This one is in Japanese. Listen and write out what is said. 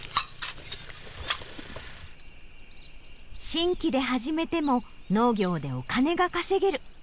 新規で始めても農業でお金が稼げる。